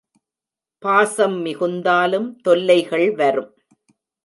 பாசம் மிகுந்தாலும் தொல்லைகள் வரும்.